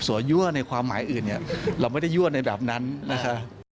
ยั่วในความหมายอื่นเนี่ยเราไม่ได้ยั่วในแบบนั้นนะคะ